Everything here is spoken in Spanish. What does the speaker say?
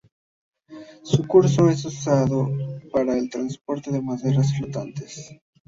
Su curso es usado para el transporte de maderas flotantes.